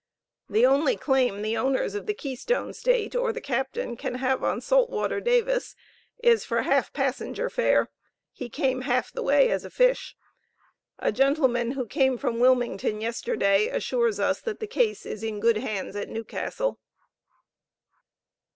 The only claim the owners of the "Keystone State" or the captain can have on salt water Davis, is for half passenger fare; he came half the way as a fish. A gentleman who came from Wilmington yesterday, assures us that the case is in good hands at Newcastle.